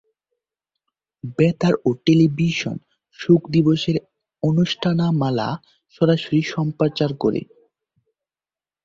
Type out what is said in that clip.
বেতার ও টেলিভিশন শোক দিবসের অনুষ্ঠানমালা সরাসরি সম্প্রচার করে।